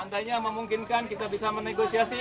andainya memungkinkan kita bisa menegosiasi